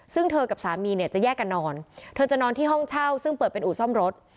ซึ่งเธอกับสามีเนี่ยจะแยกกันนอนเธอจะนอนที่ห้องเช่าซึ่งเปิดเป็นอู่ซ่อมรถ